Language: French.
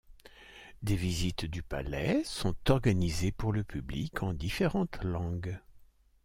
Des visites du palais sont organisées pour le public en différentes langues.